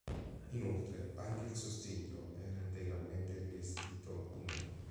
Inoltre anche il sostegno era integralmente rivestito in oro.